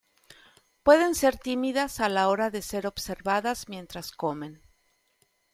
Pueden ser tímidas a la hora de ser observadas mientras comen.